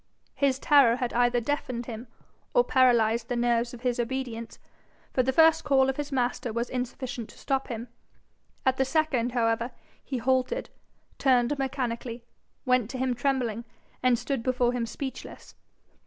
His terror had either deafened him, or paralysed the nerves of his obedience, for the first call of his master was insufficient to stop him. At the second, however, he halted, turned mechanically, went to him trembling, and stood before him speechless.